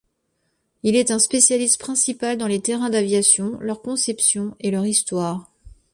Il est un spécialiste principal dans les Terrains d'aviation, leur conception et leur histoire.